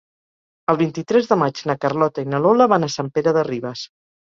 El vint-i-tres de maig na Carlota i na Lola van a Sant Pere de Ribes.